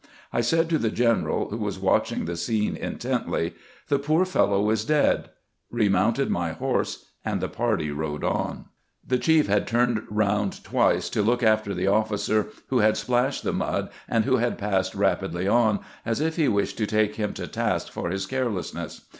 I said to the general, who was watching the scene intently, "The poor fellow is dead," remounted my horse, and the party rode on. The chief had turned 124 CAMPAIGNING WITH GRANT round twice to look after tlie officer who had splashed the mud and who had passed rapidly on, as if he wished to take him to task for his carelessness.